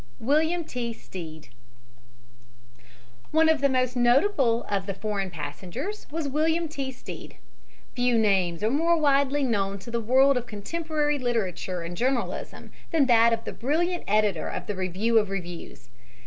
WILLIAM T. STEAD One of the most notable of the foreign passengers was William T. Stead. Few names are more widely known to the world of contemporary literature and journalism than that of the brilliant editor of the Review of Reviews.